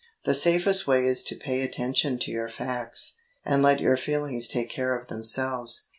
The safest way is to pay attention to your facts, and let your feelings take care of themselves.